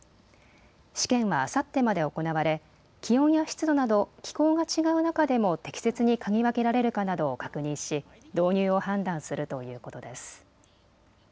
試験はあさってまで行われ気温や湿度など気候が違う中でも適切に嗅ぎ分けられるかなどを確認し導入を判断するということです。